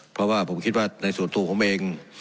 เพราะว่าผมคิดว่าในส่วนตัวผมเอง